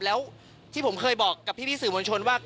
แล้วที่ผมเคยบอกกับพี่สื่อมวลชนว่า